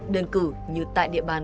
đơn cử như tại địa bàn